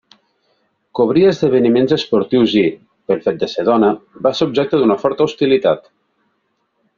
Cobria esdeveniments esportius i, pel fet de ser dona, va ser objecte d'una forta hostilitat.